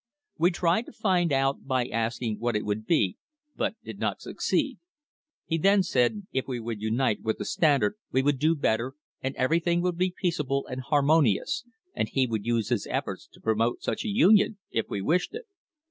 We tried to find out by asking what it would be, but did not suc ceed. He then said if we would unite with the Standard we would do better and everything would be peaceable and harmonious, and he would use his efforts to pro mote such a union if we wished it.